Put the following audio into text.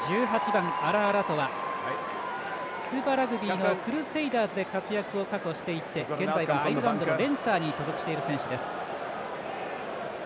１８番、アラアラトアスーパーラグビーのクルセイダーズで活躍していて過去、していて現在はアイルランドのレンスターに所属している選手です。